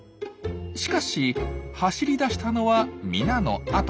しかし走りだしたのは皆のあと。